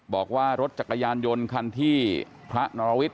บอกว่ารถจักรยานยนต์คันที่พระนรวิทย